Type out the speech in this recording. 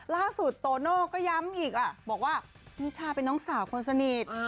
โตโน่ก็ย้ำอีกบอกว่านิชาเป็นน้องสาวคนสนิท